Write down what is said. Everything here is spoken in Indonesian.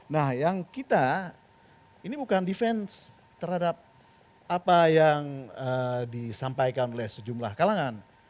nah yang kita ini bukan defense terhadap apa yang disampaikan oleh sejumlah kalangan